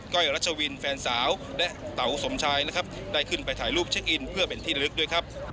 ้อยรัชวินแฟนสาวและเต๋าสมชายนะครับได้ขึ้นไปถ่ายรูปเช็คอินเพื่อเป็นที่ลึกด้วยครับ